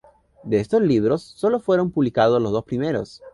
De estos libros, sólo fueron publicados los dos primeros.